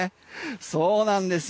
そうなんですよ。